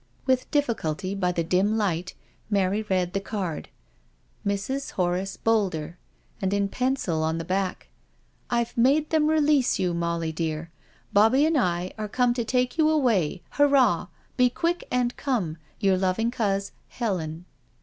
With difficulty, by the dim light, Mary read the card. "' Mrs. Horace Boulder,' " and in pencil on the back: "'I've made them release you, Molly dear I Bobbie and I are come to take you away— Hurrah I Be quick and come. Your loving coz, Helen.'